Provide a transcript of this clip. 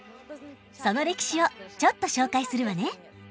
その歴史をちょっと紹介するわね。